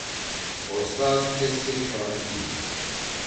اوستاز کیس کے چاڑ کی؟